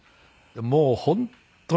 もう本当に。